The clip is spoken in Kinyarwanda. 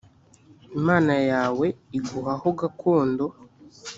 imana yawe iguha ho gakondo.